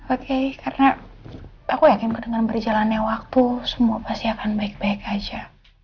oke karena aku yakin bu dengan berjalannya waktu semua pasti akan baik baik aja